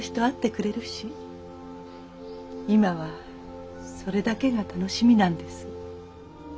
今はそれだけが楽しみなんです。